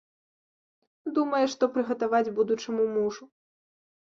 Думае, што прыгатаваць будучаму мужу.